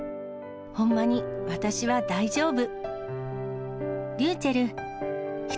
ほんまに私は大丈夫。